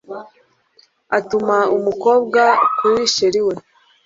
atuma umukobwa kuri chr we